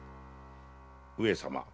上様。